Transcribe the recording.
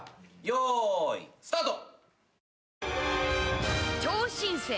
よーいスタート。